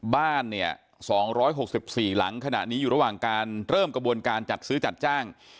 บ้านเนี่ย๒๖๔หลังขณะนี้อยู่ระหว่างการเริ่มกระบวนการจัดซื้อจัดจ้าง